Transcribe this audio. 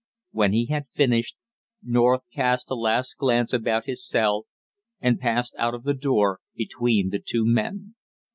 When he had finished, North cast a last glance about his cell and passed out of the door between the two men.